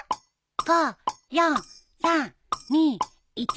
５４３２１。